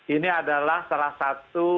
ini adalah salah satu